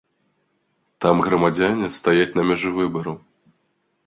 Там грамадзяне стаяць на мяжы выбару.